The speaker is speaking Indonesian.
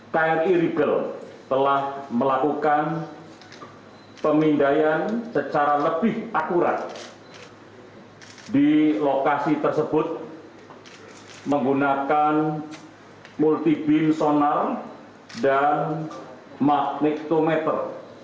kri riegel telah melakukan pemindaian secara lebih akurat di lokasi tersebut menggunakan multibimsonal dan magnetometer